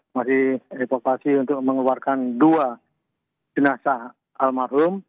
masih evakuasi untuk mengeluarkan dua jenazah almarhum